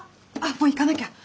もう行かなきゃ！